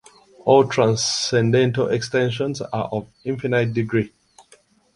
All transcendental extensions are of infinite degree.